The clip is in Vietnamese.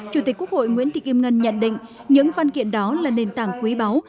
chủ tịch quốc hội nguyễn thị kim ngân nhận định những văn kiện đó là nền tảng quý báu